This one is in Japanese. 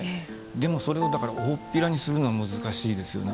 でもそれをだからおおっぴらにするのは難しいですよね。